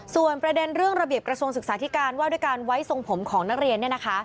ส่วนประเด็นเรื่องระเบียบกระทรวงศึกษาธิการว่าด้วยการไว้ทรงผมของนักเรียนเนี่ยนะคะ